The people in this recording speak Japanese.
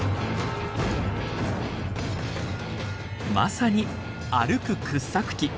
まさに「歩く掘削機」。